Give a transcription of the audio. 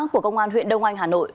của công an huyện đông anh hà nội